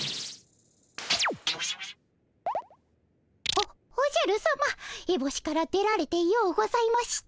おおじゃるさまエボシから出られてようございました。